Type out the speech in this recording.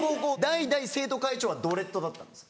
代々生徒会長はドレッドだったんです。